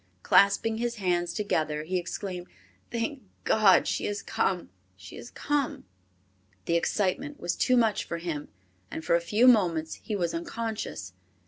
Clasping his hands together, he exclaimed, "Thank God she has come! She has come!" The excitement was too much for him and for a few moments he was unconscious.